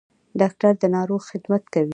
ډاکټر د ناروغ خدمت کوي